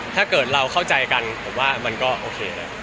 ถ้าเกิดเราเข้าใจกันผมว่ามันก็โอเคแหละ